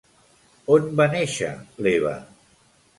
On va néixer l'Eva?